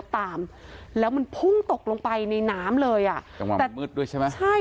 ตามแล้วมันพุ่งตกลงไปในน้ำเลยอ่ะจังหวะมืดด้วยใช่ไหมใช่